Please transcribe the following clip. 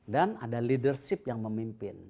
dan ada leadership yang memimpin